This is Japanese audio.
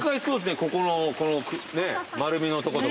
ここのこの丸みのとことか。